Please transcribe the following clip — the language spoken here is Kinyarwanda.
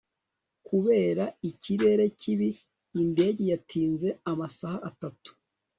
kubera ikirere kibi, indege yatinze amasaha atatu